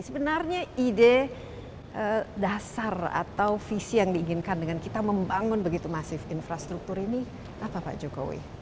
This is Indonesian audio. sebenarnya ide dasar atau visi yang diinginkan dengan kita membangun begitu masif infrastruktur ini apa pak jokowi